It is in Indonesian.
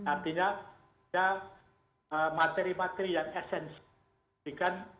artinya materi materi yang esensi